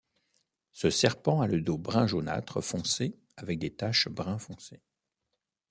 Ce serpent a le dos brun jaunâtre foncé avec des taches brun foncé.